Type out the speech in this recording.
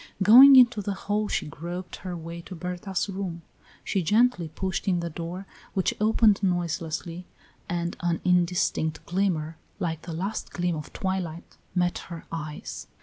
Going into the hall she groped her way to Berta's room. She gently pushed in the door, which opened noiselessly, and an indistinct glimmer, like the last gleam of twilight, met her eyes.